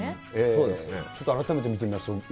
ちょっと改めて見てみましょう。